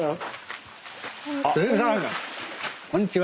こんにちは。